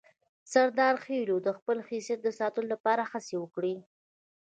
سردارخېلو د خپل حیثیت د ساتلو لپاره هڅې وکړې.